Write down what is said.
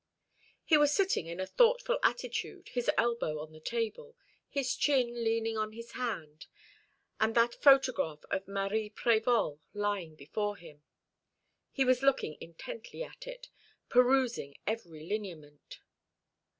He was sitting in a thoughtful attitude, his elbow on the table, his chin leaning on his hand, and that photograph of Marie Prévol lying before him. He was looking intently at it, perusing every lineament.